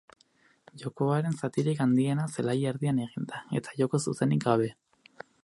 Jokoaren zatirik handiena zelai-erdian egin da eta joko zuzenik gabe.